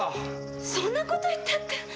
そんなこと言ったって。